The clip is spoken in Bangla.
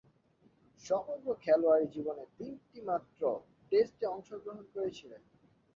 সমগ্র খেলোয়াড়ী জীবনে তিনটিমাত্র টেস্টে অংশগ্রহণ করেছিলেন।